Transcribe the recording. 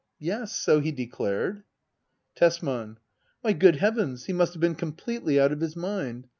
Yes, so he declared. Tesman. Why, good heavens, he must have been com pletely out of his mind